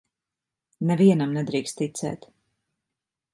Nevienam nedrīkst ticēt.